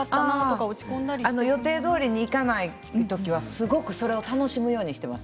予定どおりにいかないときはそれを楽しむようにしています。